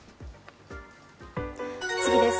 次です。